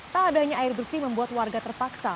tak adanya air bersih membuat warga terpaksa